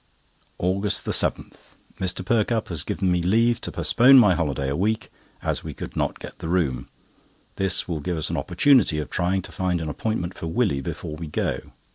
AUGUST 7.—Mr. Perkupp has given me leave to postpone my holiday a week, as we could not get the room. This will give us an opportunity of trying to find an appointment for Willie before we go.